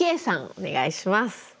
お願いします。